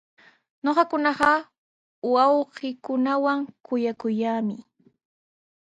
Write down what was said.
Ñuqakuna wawqiikunawan kuyanakuyaami.